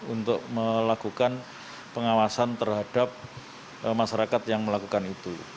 untuk melakukan pengawasan terhadap masyarakat yang melakukan itu